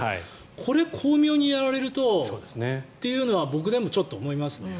これ、巧妙にやられるとというのは僕でもちょっと思いますね。